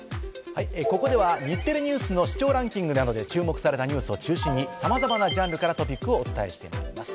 ここでは日テレＮＥＷＳの視聴ランキングなどで注目されたニュースを中心に、さまざまなジャンルからトピックをお伝えします。